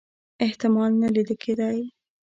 احتمال نه لیده کېدی.